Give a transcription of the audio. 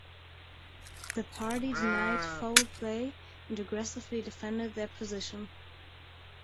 The party denied foul play and aggressively defended their position.